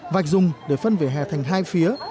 vạch dùng để phân vỉa hè thành hai phía